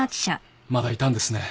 まだいたんですね。